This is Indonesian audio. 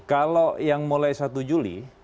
kalau yang mulai satu juli